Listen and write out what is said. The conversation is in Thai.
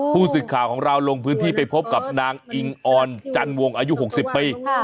ผู้สื่อข่าวของเราลงพื้นที่ไปพบกับนางอิงออนจันวงอายุ๖๐ปี